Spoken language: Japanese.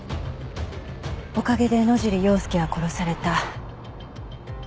おかげで野尻要介は殺された。